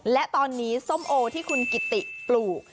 และตอนนี้ส้มโอที่คุณกิติปลูก